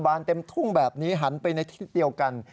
เต็มทุ่งแบบนี้หันไปในทิศเดียวกัน